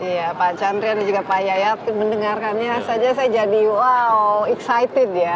iya pak chandra dan juga pak yaya mendengarkannya saja saya jadi wow excited ya